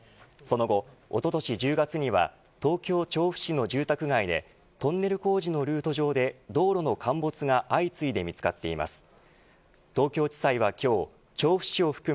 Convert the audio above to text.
その後おととし１０月には東京、調布市の住宅街でトンネル工事のルート上で道路の陥没が相次いで見つかっています。